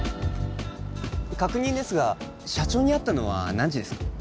確認ですが社長に会ったのは何時ですか？